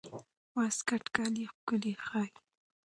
واسکټ کالي ښکلي ښيي.